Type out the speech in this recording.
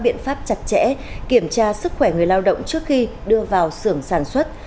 những người lao động đã áp dụng các biện pháp chặt chẽ kiểm tra sức khỏe người lao động trước khi đưa vào sưởng sản xuất